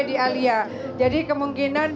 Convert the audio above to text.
di alia jadi kemungkinan